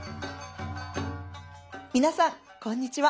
皆さんこんにちは。